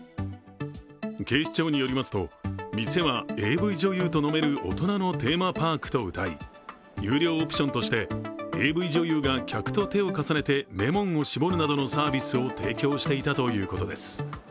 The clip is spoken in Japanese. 警視庁によりますと店はＡＶ女優と飲める大人のテーマパークとうたい有料オプションとしてＡＶ女優が客と手を重ねてレモンを搾るなどのサービスを提供していたということです。